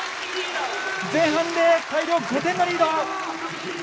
前半で大量５点のリード！